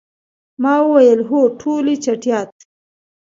ما وویل، هو، ټولې چټیات.